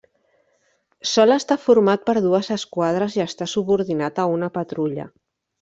Sol estar format per dues esquadres i està subordinat a una patrulla.